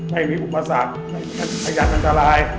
ไม่มีอุปสรรค์ทายังกันสลาย